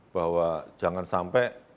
bahwa jangan sampai